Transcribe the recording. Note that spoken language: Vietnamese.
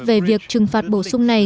về việc trừng phạt bổ sung này